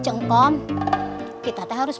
cengkom kita teh harus